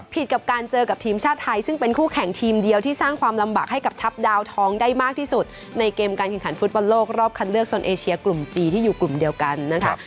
กับการเจอกับทีมชาติไทยซึ่งเป็นคู่แข่งทีมเดียวที่สร้างความลำบากให้กับทัพดาวทองได้มากที่สุดในเกมการแข่งขันฟุตบอลโลกรอบคันเลือกโซนเอเชียกลุ่มจีนที่อยู่กลุ่มเดียวกันนะคะ